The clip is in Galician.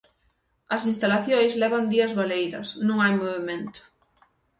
As instalacións levan días baleiras, non hai movemento.